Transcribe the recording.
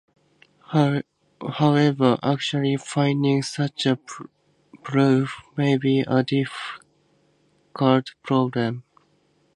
However, actually finding such a proof may be a difficult problem.